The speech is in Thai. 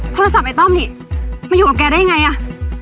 โทรศัพท์ไอ้ต้อมนี่มาอยู่กับแกได้ยังไงอ่ะ